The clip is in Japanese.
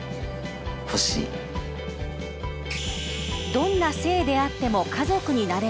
どんな性であっても家族になれる。